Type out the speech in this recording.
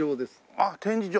あっ展示場。